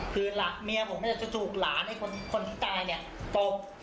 คือหลักเมียผมจะถูกหลานคนที่ตายเนี่ยตบ